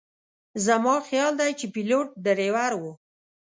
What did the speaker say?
زما خیال دی چې پیلوټ ډریور و.